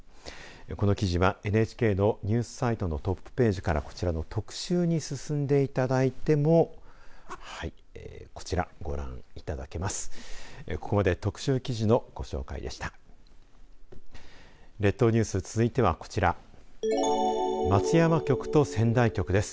この記事はＮＨＫのニュースサイトのトップページからこちらの特集に進んでいただいてもはい、こちらご覧いただけます。